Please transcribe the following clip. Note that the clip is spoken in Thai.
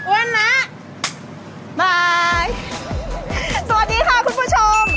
เวิ่นนะบ๊ายสวัสดีค่ะคุณผู้ชม